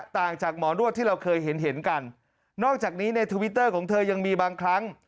ต่างจากหมอนวดที่เราเคยเห็นเห็นกันนอกจากนี้ในทวิตเตอร์ของเธอยังมีบางครั้ง